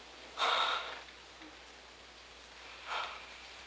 ああ。